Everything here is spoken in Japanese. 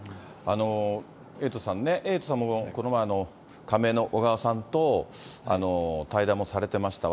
エイトさんね、エイトさんもこの前、仮名の小川さんと対談もされてました、